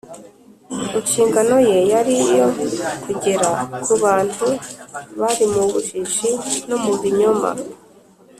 inshingano ye yari iyo kugera ku bantu bari mu bujiji no mu binyoma